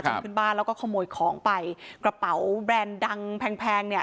ขึ้นบ้านแล้วก็ขโมยของไปกระเป๋าแบรนด์ดังแพงแพงเนี่ย